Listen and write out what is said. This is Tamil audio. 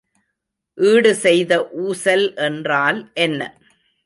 ஈடு செய்த ஊசல் என்றால் என்ன?